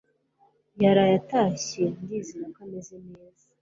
yaraye atashye Ndizera ko ameze neza